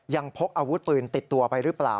พกอาวุธปืนติดตัวไปหรือเปล่า